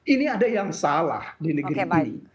ini ada yang salah di negeri ini